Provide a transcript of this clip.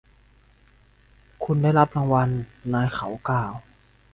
คุณได้รับรางวัลนายเขากล่าว